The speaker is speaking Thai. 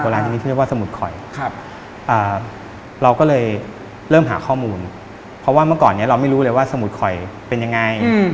เราก็เลยเริ่มหาข้อมูลเพราะว่าเมื่อก่อนเราไม่รู้เลยว่าสมุดคอยเป็นอย่างไร